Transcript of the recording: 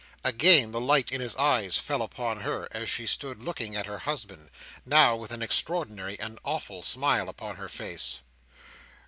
Again the light in his eyes fell upon her, as she stood looking at her husband: now with an extraordinary and awful smile upon her face.